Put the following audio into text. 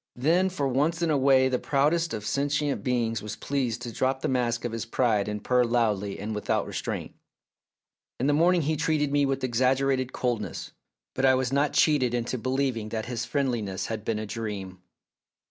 Then for once in a way the proudest of sentient beings was pleased to drop the mask of his pride and purr loudly and without restraint. In the morning he treated me with exagge rated coldness, but I was not cheated into believing that his friendliness had been a dream.